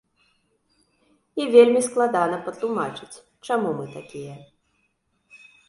І вельмі складана патлумачыць, чаму мы такія.